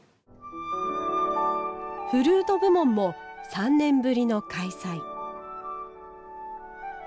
フルート部門も３年ぶりの開催。